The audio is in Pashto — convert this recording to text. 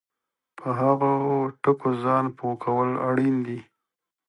په هغو ټکو ځان پوه کول اړین دي